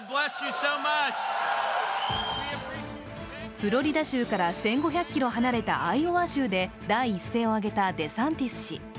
フロリダ州から１５００ｋｍ離れたアイオワ州で第一声を上げたデサンティス氏。